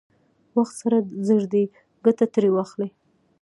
وخت سره زر دی، ګټه ترې واخلئ!